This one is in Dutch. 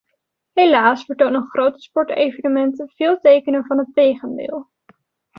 Helaas vertonen grote sportevenementen veel tekenen van het tegendeel.